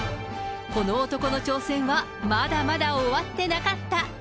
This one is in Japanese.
この男の挑戦は、まだまだ終わってなかった。